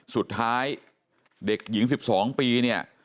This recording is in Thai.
สุดท้ายเด็กหญิงสิบสองปีเนี่ย